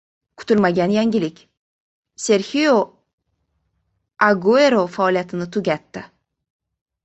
Kutilmagan yangilik: Serxio Aguero faoliyatini tugatdi